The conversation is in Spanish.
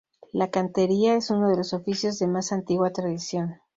La cantería es uno de los oficios de más antigua tradición.